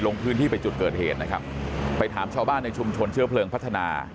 ลงพื้นที่ไปจุดเกิดเหตุนะครับไปถามชาวบ้านในชุมชนเชื้อเพลิงพัฒนา